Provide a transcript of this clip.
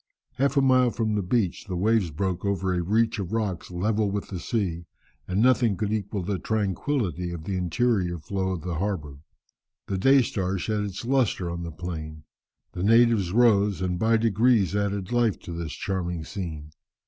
Half a mile from the beach, the waves broke over a reach of rocks level with the sea, and nothing could equal the tranquillity of the interior flow of the harbour. The day star shed its lustre on the plain; the natives rose, and by degrees added life to this charming scene.